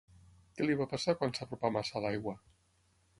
Què li va passar quan s'apropà massa a l'aigua?